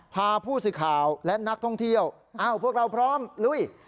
พาผู้สื่อข่าวและนักท่องเที่ยวอ้าวพวกเราพร้อมลุย